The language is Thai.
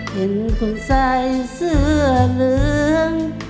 เห็นคนใส่เสื้อเหลือง